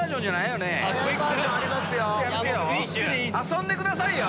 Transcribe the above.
遊んでくださいよ。